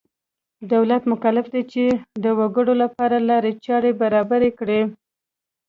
دولت مکلف دی چې د وګړو لپاره لارې چارې برابرې کړي.